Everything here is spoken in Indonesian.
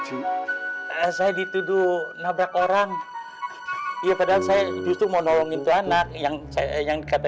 cuma saya dituduh nabrak orang ya padahal saya justru mau nolong itu anak yang yang kata